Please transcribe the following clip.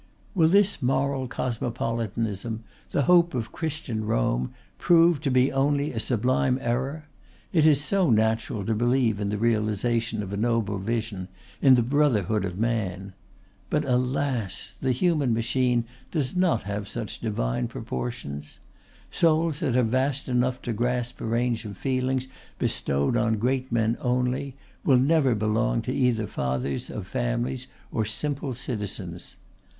Will this moral cosmopolitanism, the hope of Christian Rome, prove to be only a sublime error? It is so natural to believe in the realization of a noble vision, in the Brotherhood of Man. But, alas! the human machine does not have such divine proportions. Souls that are vast enough to grasp a range of feelings bestowed on great men only will never belong to either fathers of families or simple citizens.